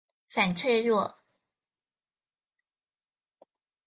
反脆弱